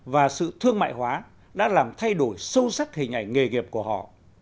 và sự thương mại hóa đã làm thay đổi sâu sắc hình ảnh nghề nghiệp của họ